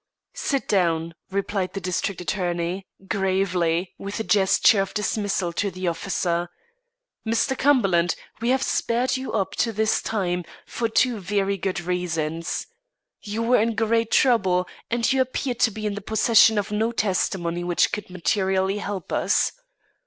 "Sit down," replied the district attorney, gravely, with a gesture of dismissal to the officer. "Mr. Cumberland, we have spared you up to this time, for two very good reasons. You were in great trouble, and you appeared to be in the possession of no testimony which would materially help us.